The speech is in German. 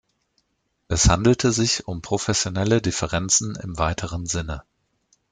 Es handelte sich um professionelle Differenzen im weiteren Sinne.